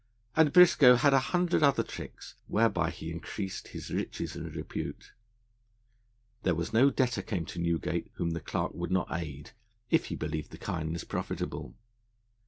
And Briscoe had a hundred other tricks whereby he increased his riches and repute. There was no debtor came to Newgate whom the Clerk would not aid, if he believed the kindness profitable.